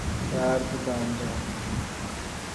درد دندان